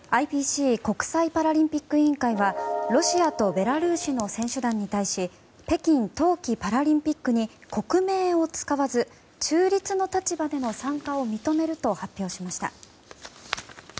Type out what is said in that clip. ＩＰＣ・国際パラリンピック委員会がロシアとベラルーシの選手団に対し北京冬季パラリンピックに国名を使わず中立の立場での参加を認めると発表しました。